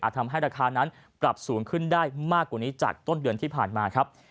ทำให้ราคานั้นปรับสูงขึ้นได้มากกว่านี้จากต้นเดือนที่ผ่านมาครับ